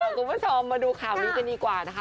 คุณผู้ชมมาดูข่าวนี้กันดีกว่านะคะ